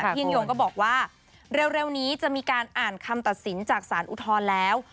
ยิ่งยงก็บอกว่าเร็วนี้จะมีการอ่านคำตัดสินจากสารอุทธรณ์แล้ว